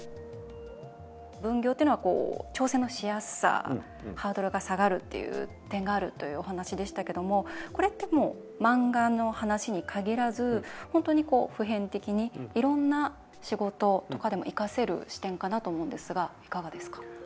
分業っていうのは挑戦のしやすさハードルが下がるという点があるというお話でしたけどもこれって、もう漫画の話に限らず本当に普遍的にいろんな仕事とかでも生かせる視点かなと思うんですがいかがですか？